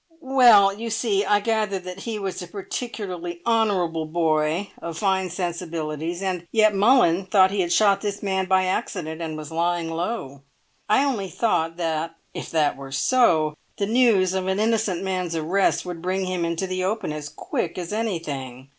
"Well, you see, I gathered that he was a particularly honourable boy, of fine sensibilities, and yet Mullins thought he had shot this man by accident and was lying low. I only thought that, if that were so, the news of an innocent man's arrest would bring him into the open as quick as anything.